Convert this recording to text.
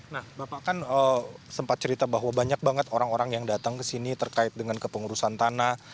nah bapak kan sempat cerita bahwa banyak banget orang orang yang datang ke sini terkait dengan kepengurusan tanah